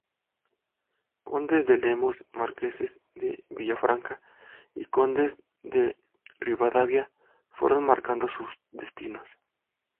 Condes de Lemos, Marqueses de Villafranca y Condes de Ribadavia fueron marcando sus destinos.